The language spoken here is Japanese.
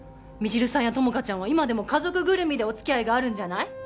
未知留さんや友果ちゃんは今でも家族ぐるみでお付き合いがあるんじゃない？